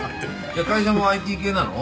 会社もＩＴ系なの？